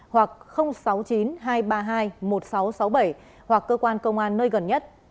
năm nghìn tám trăm sáu mươi hoặc sáu mươi chín hai trăm ba mươi hai một nghìn sáu trăm sáu mươi bảy hoặc cơ quan công an nơi gần nhất